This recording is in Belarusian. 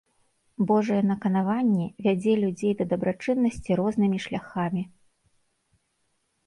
Божае наканаванне вядзе людзей да дабрачыннасці рознымі шляхамі.